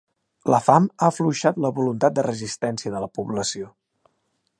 La fam ha afluixat la voluntat de resistència de la població.